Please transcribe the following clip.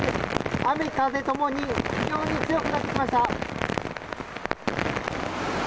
雨、風ともに非常に強くなってきました。